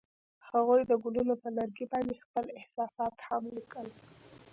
هغوی د ګلونه پر لرګي باندې خپل احساسات هم لیکل.